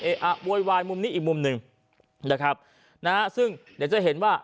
อ่ะโวยวายมุมนี้อีกมุมหนึ่งนะครับนะฮะซึ่งเดี๋ยวจะเห็นว่า